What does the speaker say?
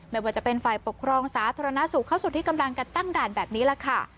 ไม่ว่าจะเป็นฝ่ายปกครองสาธารณสุขเข้าสู่ที่กำลังกันตั้งด่านแบบนี้แหละค่ะ